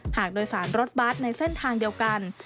หากโดยสารรถบัสในเส้นทางเดียวกัน